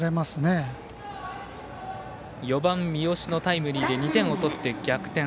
４番三好のタイムリーで２点を取って逆転。